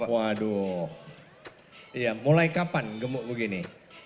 waduh mulai kapan gemuk begini